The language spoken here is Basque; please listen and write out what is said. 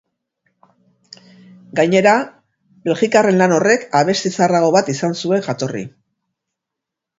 Gainera, belgikarren lan horrek abesti zaharrago bat izan zuen jatorri.